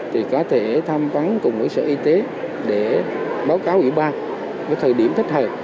thì có thể tham vấn cùng với sở y tế để báo cáo ủy ban với thời điểm thích hợp